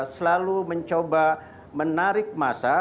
selalu mencoba menarik masa